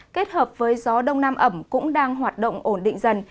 kết hợp với gió đông nam ẩm cũng đang hoạt động ổn định dần